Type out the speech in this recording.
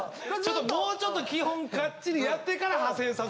もうちょっと基本カッチリやってから派生さそう。